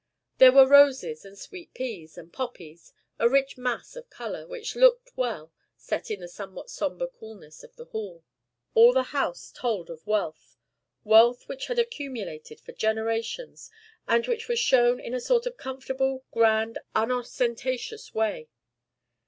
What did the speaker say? There were roses, and sweet peas, and poppies a rich mass of color, which looked well, set in the somewhat sombre coolness of the hall. All the house told of wealth wealth which had accumulated for generations, and which was shown in a sort of comfortable, grand, unostentatious way.